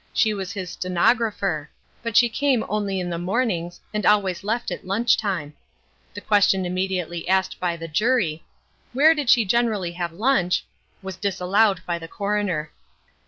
She was his stenographer. But she came only in the mornings and always left at lunch time. The question immediately asked by the jury "Where did she generally have lunch?" was disallowed by the coroner.